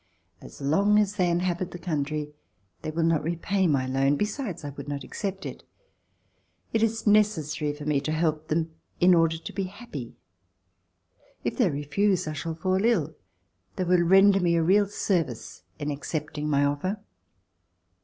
As long as they inhabit the country they will not repay my loan. Besides, I would not accept it. It is necessary for me to help them in order to be happy. If they refuse, I shall fall ill. They will render me a real service in accepting my offer."